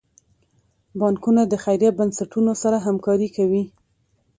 بانکونه د خیریه بنسټونو سره همکاري کوي.